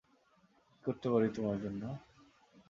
কি করতে পারি তোমার জন্য?